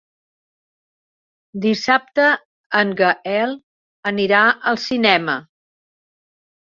Dissabte en Gaël anirà al cinema.